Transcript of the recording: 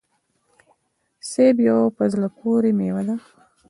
سيب يوه په زړه پوري ميوه ده